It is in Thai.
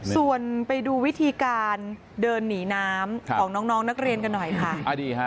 ส่วนไปดูวิธีการเดินหนีน้ำของน้องนักเรียนกันหน่อยค่ะ